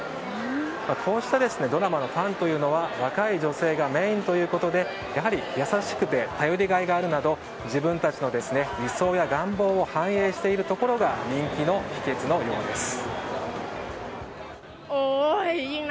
こうしたドラマのファンは若い女性がメインということでやはり、優しくて頼りがいがあるなど自分たちの理想や願望を反映しているところが人気の秘訣のようです。